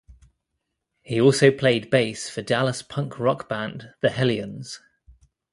He also played bass for Dallas punk rock band The Hellions.